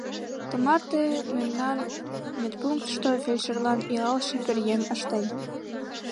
Тымарте мемнан медпунктышто фельдшерлан илалше пӧръеҥ ыштен.